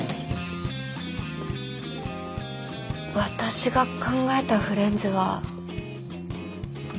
私が考えたフレンズは。